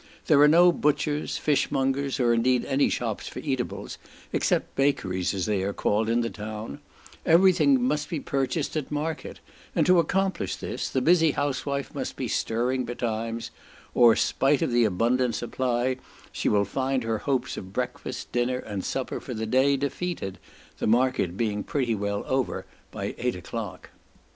There are no butchers, fishmongers, or indeed any shops for eatables, except bakeries, as they are called, in the town; every thing must be purchased at market; and to accomplish this, the busy housewife must be stirring betimes, or, 'spite of the abundant supply, she will find her hopes of breakfast, dinner, and supper for the day defeated, the market being pretty well over by eight o'clock.